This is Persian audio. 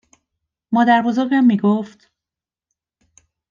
مادر بزرگم می گفت